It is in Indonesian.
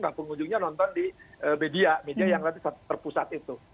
nah pengunjungnya nonton di media media yang terpusat itu